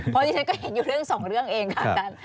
เพราะฉะนั้นก็เห็นอยู่เรื่องสองเรื่องเองค่ะ